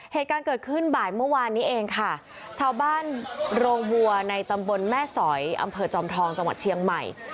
เหตุการณ์เกิดขึ้นบ่ายเมื่อวานนี้เองค่ะชาวบ้านโรงวัวในตำบลแม่สอยอำเภอจอมทองจังหวัดเชียงใหม่